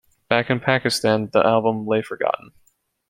Back in Pakistan, the album lay forgotten.